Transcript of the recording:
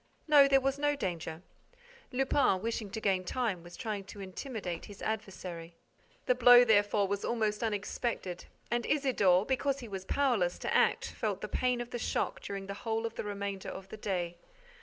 No, there was no danger. Lupin, wishing to gain time, was trying to intimidate his adversary. The blow, therefore, was almost unexpected; and Isidore, because he was powerless to act, felt the pain of the shock during the whole of the remainder of the day.